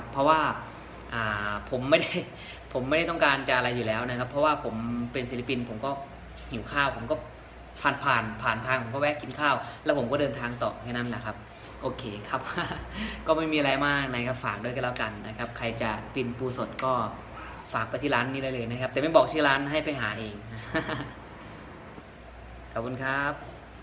เพราะว่าผมเป็นศิลปินผมก็หิวข้าวผมก็ผ่านผ่านผ่านทางผมก็แวะกินข้าวแล้วผมก็เดินทางต่อแค่นั้นแหละครับโอเคครับก็ไม่มีอะไรมากนะครับฝากด้วยกันแล้วกันนะครับใครจะปีนปูสดก็ฝากไปที่ร้านนี้ได้เลยนะครับแต่ไม่บอกที่ร้านให้ไปหาเองขอบคุณครับ